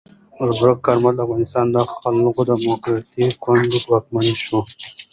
ببرک کارمل د افغانستان د خلق دموکراتیک ګوند واکمن شو.